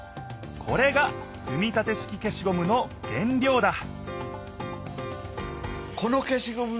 これが組み立て式消しゴムの原料だ